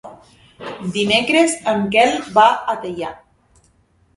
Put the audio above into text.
Dimecres en Quel va a Teià.